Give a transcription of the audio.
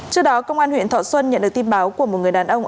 trước đó công an huyện thọ xuân nhận được tin báo của một người đàn ông